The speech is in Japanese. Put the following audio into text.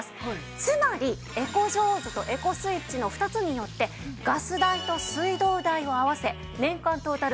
つまりエコジョーズとエコスイッチの２つによってガス代と水道代を合わせ年間トータル